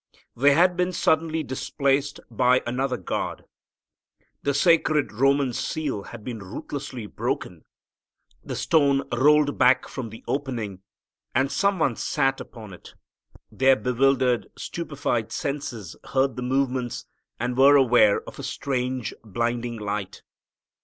They had been suddenly displaced by another guard. The sacred Roman seal had been ruthlessly broken, the stone rolled back from the opening, and some one sat upon it. Their bewildered, stupefied senses heard the movements and were aware of a strange, blinding light.